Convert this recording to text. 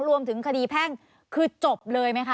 รวมถึงคดีแพ่งคือจบเลยไหมคะ